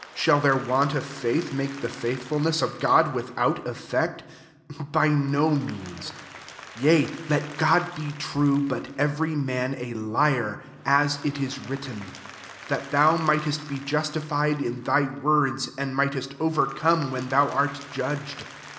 shall their want of faith make the faithfulness of God without effect ? 4 By no means : yea, let Gk>d be true, but every man a liar : as it is written ;* That thou migfatest be justified in thy words, and mightest overcome when thou art judged.'